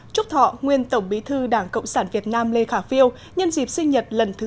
chúc thọ nguyên tổng bí thư đảng cộng sản việt nam lê khả phiêu nhân dịp sinh nhật lần thứ tám mươi bảy